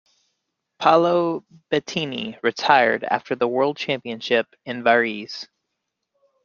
Paolo Bettini retired after the world championship in Varese.